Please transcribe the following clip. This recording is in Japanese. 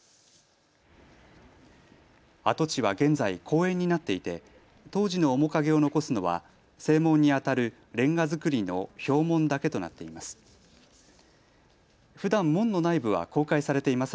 跡地は現在、公園になっていて当時の面影を残すのは正門にあたるレンガ造りの表門だけとなっています。